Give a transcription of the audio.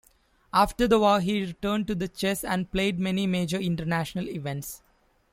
After the war, he returned to chess and played many major international events.